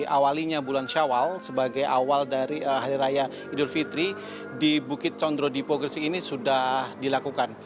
awalnya bulan syawal sebagai awal dari hari raya idul fitri di bukit condro di pogresik ini sudah dilakukan